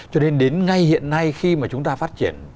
cho nên đến ngay hiện nay khi mà chúng ta phát triển